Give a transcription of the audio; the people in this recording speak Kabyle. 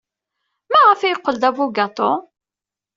Maɣef ay yeqqel d abugaṭu?